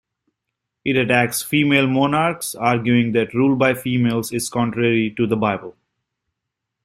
It attacks female monarchs, arguing that rule by females is contrary to the Bible.